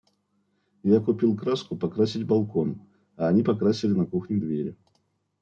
Я купил краску покрасить балкон, а они покрасили на кухне двери.